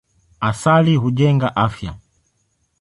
Asali hujenga afya.